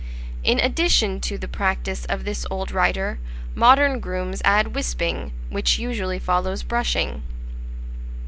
In addition to the practice of this old writer, modern grooms add wisping, which usually follows brushing.